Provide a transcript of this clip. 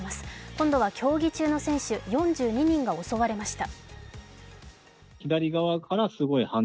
今度は競技中の選手４２人が襲われました。